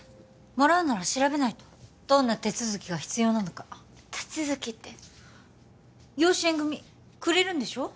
もらうなら調べないとどんな手続きが必要なのか手続きって養子縁組くれるんでしょ？